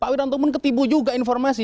pak wiranto ketipu juga informasi